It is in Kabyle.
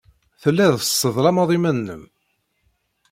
Telliḍ tesseḍlameḍ iman-nnem.